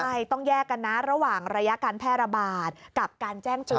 ใช่ต้องแยกกันนะระหว่างระยะการแพร่ระบาดกับการแจ้งเตือน